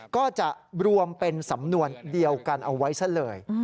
ก็จะรวมเป็นสำนวนเดียวกันเอาไว้ซะเลย